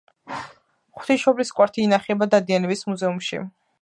ღმრთისმშობლის კვართი ინახება დადიანების მუზეუმში.